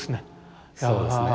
そうですね。